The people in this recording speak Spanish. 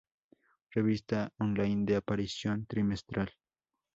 Revista on line de aparición trimestral.